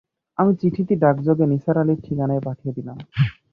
আমি চিঠিটি ডাকযোগে নিসার আলির ঠিকানায় পাঠিয়ে দিলাম।